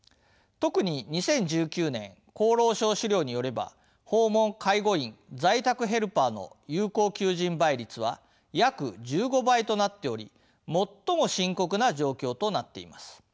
特に２０１９年厚労省資料によれば訪問介護員在宅ヘルパーの有効求人倍率は約１５倍となっており最も深刻な状況となっています。